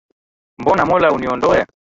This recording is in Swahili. Mbona mola uniondoe